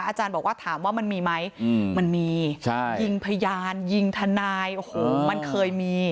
อาจารย์บอกว่าถามว่ามันมีไหมมันมียิงพยานยิงทนายโอ้โหมันเคยมี